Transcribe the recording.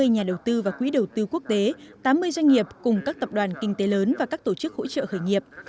hai mươi nhà đầu tư và quỹ đầu tư quốc tế tám mươi doanh nghiệp cùng các tập đoàn kinh tế lớn và các tổ chức hỗ trợ khởi nghiệp